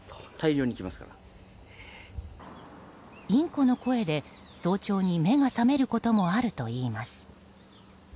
インコの声で早朝に目が覚めることもあるといいます。